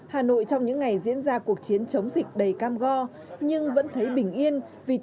hà nội trong những ngày diễn ra cuộc chiến chống dịch đầy cam go nhưng vẫn thấy bình yên vì